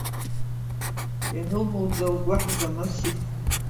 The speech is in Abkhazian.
Ианылымуӡа лгәы ҳзамысит.